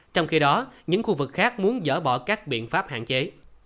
trong khi đó những khu vực khác muốn dỡ bỏ các biện pháp hạn chế